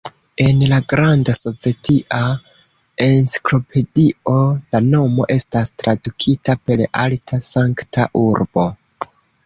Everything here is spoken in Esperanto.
En la Granda Sovetia Enciklopedio la nomo estas tradukita per "alta, sankta urbo".